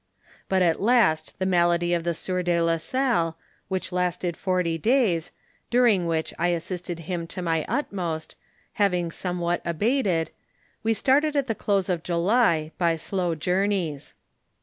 But at la^t the malady of the sieur de la Salle, which lasted forty days, during which I assisted him to my utmost, having somewhat abated, we started at the close of July, by slow journeys.